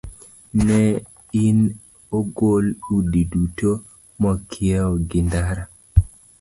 Ne ni ogol udi duto mokiewo gi ndara.